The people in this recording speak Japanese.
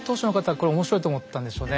これ面白いと思ったんでしょうね。